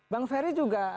bang ferry juga